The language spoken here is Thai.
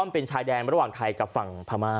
เป็นชายแดง